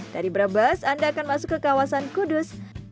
dari brebes anda akan masuk ke kawasan kudus